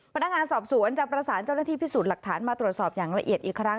พนักงานสอบสวนจะประสานเจ้าหน้าที่พิสูจน์หลักฐานมาตรวจสอบอย่างละเอียดอีกครั้ง